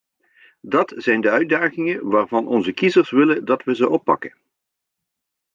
Dat zijn de uitdagingen waarvan onze kiezers willen dat we ze oppakken.